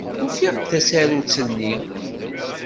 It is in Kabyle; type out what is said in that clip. Ufiɣ-d tasarut-nni.